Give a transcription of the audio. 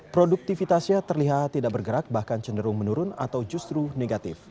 produktivitasnya terlihat tidak bergerak bahkan cenderung menurun atau justru negatif